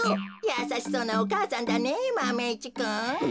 やさしそうなお母さんだねマメ１くん。